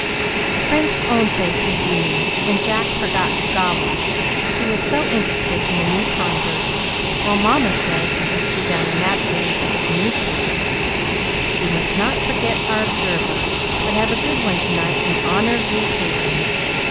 Frank's own face was beaming, and Jack forgot to "gobble," he was so interested in the new convert, while Mamma said, as she threw down her napkin and took up the newspaper, "We must not forget our 'Observer,' but have a good one tonight in honor of the occasion.